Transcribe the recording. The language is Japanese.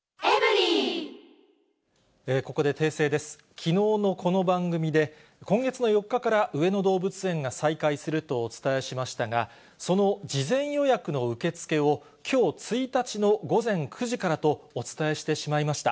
きのうのこの番組で、今月の４日から上野動物園が再開するとお伝えしましたが、その事前予約の受け付けを、きょう１日の午前９時からとお伝えしてしまいました。